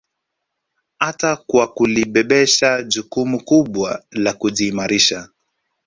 Hata kwa kulibebesha jukumu kubwa la kujiimarisha